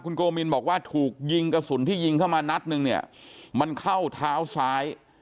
โกมินบอกว่าถูกยิงกระสุนที่ยิงเข้ามานัดนึงเนี่ยมันเข้าเท้าซ้าย